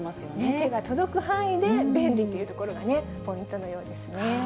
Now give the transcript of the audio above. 手が届く範囲で便利というところが、ポイントのようですね。